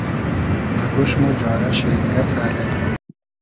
دۂ گۉش مۉ جارۂ شیرینگئسۂ الݷ